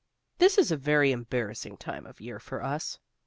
This is a very embarrassing time of year for us.